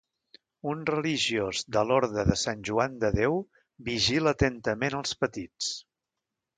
Un religiós de l'orde de Sant Joan de Déu vigila atentament als petits.